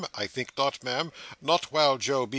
I think not, Ma'am. Not while Joe B.